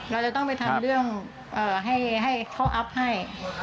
เราจะต้องไปทำเรื่องให้เขาอัพให้